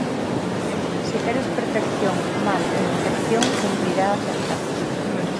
Se queres perfección, mal e infección cumprirá aceptar.